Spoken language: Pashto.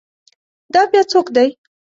دا بیا څوک دی؟